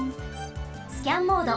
スキャンモード。